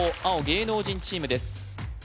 青芸能人チームです